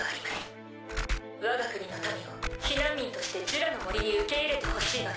わが国の民を避難民としてジュラの森に受け入れてほしいのです。